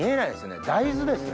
大豆ですね。